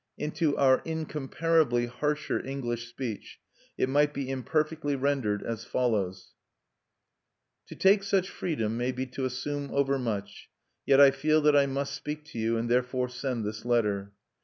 Into our incomparably harsher English speech it might be imperfectly rendered as follows: _To take such freedom may be to assume overmuch; yet I feel that I must speak to you, and therefore send this letter.